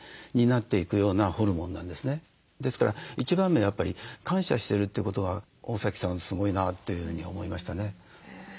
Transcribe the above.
ですから一番目はやっぱり感謝してるということが大崎さんはすごいなというふうに思いましたね。